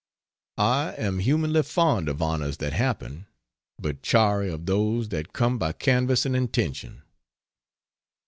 I am humanly fond of honors that happen but chary of those that come by canvass and intention.